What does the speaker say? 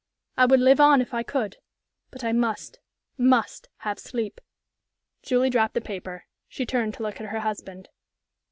I would live on if I could, but I must must have sleep." Julie dropped the paper. She turned to look at her husband.